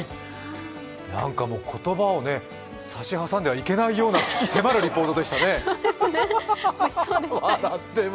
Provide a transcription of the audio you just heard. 言葉をさし挟んではいけないような鬼気迫るリポートでしたね。